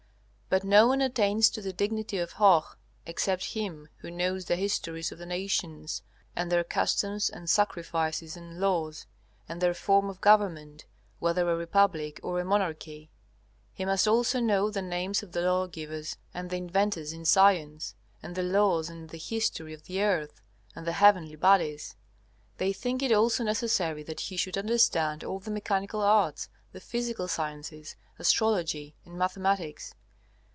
But no one attains to the dignity of Hoh except him who knows the histories of the nations, and their customs and sacrifices and laws, and their form of government, whether a republic or a monarchy. He must also know the names of the lawgivers and the inventors in science, and the laws and the history of the earth and the heavenly bodies. They think it also necessary that he should understand all the mechanical arts, the physical sciences, astrology and mathematics.